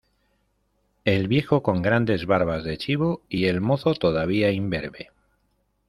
el viejo con grandes barbas de chivo, y el mozo todavía imberbe.